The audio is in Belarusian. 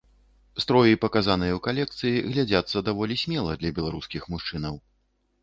Строі, паказаныя ў калекцыі глядзяцца даволі смела для беларускіх мужчынаў.